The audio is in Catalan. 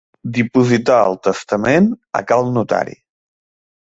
Dipositar el testament a cal notari.